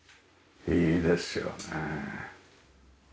いいですよね。